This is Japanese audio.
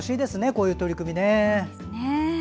こういう取り組み。